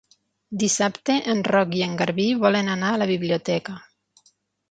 Dissabte en Roc i en Garbí volen anar a la biblioteca.